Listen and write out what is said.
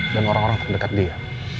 dan orang orang terdekat dia